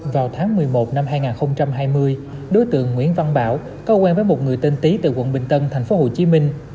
vào tháng một mươi một năm hai nghìn hai mươi đối tượng nguyễn văn bảo có quen với một người tên tý từ quận bình tân thành phố hồ chí minh